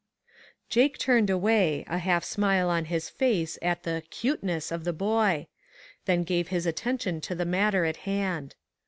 Jake turned away, a half smile on his face at the " cuteness " of the boy; then gave his attention to the matter in hand.